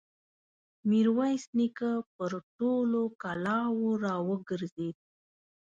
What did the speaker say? ميرويس نيکه پر ټولو کلاوو را وګرځېد.